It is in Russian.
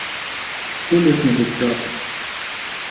Сто лет не была в театре.